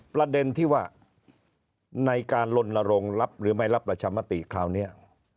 ประเด็นที่ว่าในการลนรงค์รับหรือไม่รับประชามติคราวนี้